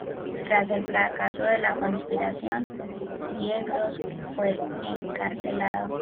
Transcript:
Tras el fracaso de la conspiración, Yegros fue encarcelado.